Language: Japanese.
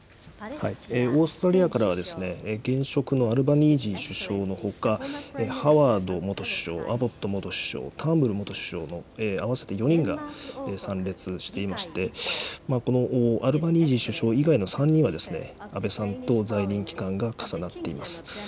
オーストラリアからは現職のアルバニージー首相のほか、ハワード元首相、アボット元首相、ターンブル元首相の合わせて４人が参列していまして、このアルバニージー首相以外の３人は、安倍さんと在任期間が重なっています。